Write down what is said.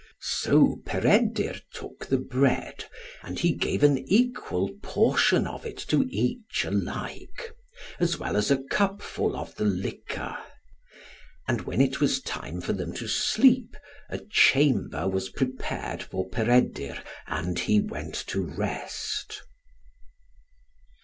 So Peredur took the bread, and he gave an equal portion of it to each alike, as well as a cup full of the liquor. And when it was time for them to sleep, a chamber was prepared for Peredur, and he went to rest.